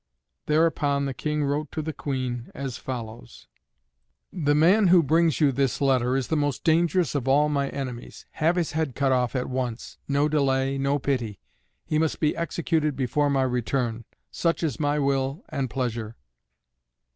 Thereupon the King wrote to the Queen as follows: "The man who brings you this letter is the most dangerous of all my enemies. Have his head cut off at once; no delay, no pity, he must be executed before my return. Such is my will and pleasure."